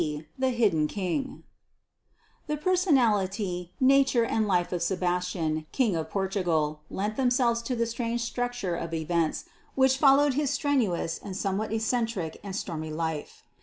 THE HIDDEN KING The personality, nature and life of Sebastian, King of Portugal, lent themselves to the strange structure of events which followed his strenuous and somewhat eccentric and stormy life.